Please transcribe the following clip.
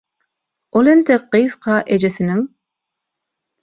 Ol entek gyzka ejesiniň: